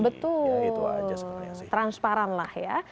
betul transparan lah ya